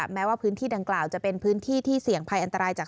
แม้ว่าพื้นที่ดังกล่าวจะเป็นพื้นที่ที่เสี่ยงภัยอันตรายจาก